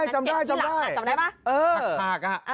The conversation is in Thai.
ใช่ตอนจับพี่หลังอาจจำได้ไหม